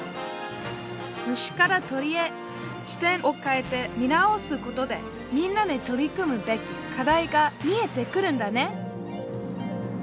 虫から鳥へ視点を変えて見直すことでみんなで取り組むべき課題が見えてくるんだね！